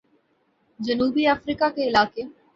جنوبی افریقہ کے علاقہ